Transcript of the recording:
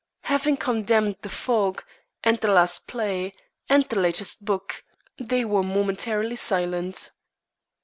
Having condemned the fog, and the last play, and the latest book, they were momentarily silent.